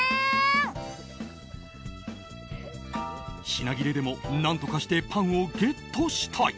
品切れでも何とかしてパンをゲットしたい。